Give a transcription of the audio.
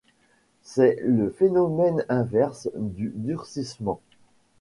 C'est le phénomène inverse du durcissement.